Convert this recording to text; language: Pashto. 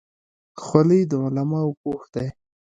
خولۍ د علماو پوښ دی.